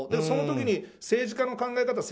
その時に、政治家の考え方